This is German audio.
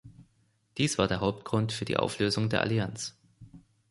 Dies war der Hauptgrund für die Auflösung der Allianz.